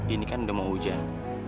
ini kan udah mau hujan